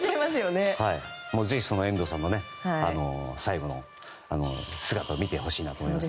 ぜひ遠藤さんの最後の姿を見てほしいなと思います。